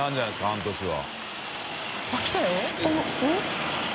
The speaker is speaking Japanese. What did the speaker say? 半年は。